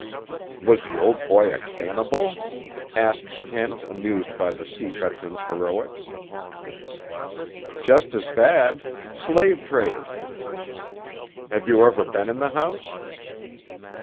"Was the old boy a cannibal?" asked Kent, amused by the sea veteran's heroics. "Just as bad: slave trader." "Have you ever been in the house?"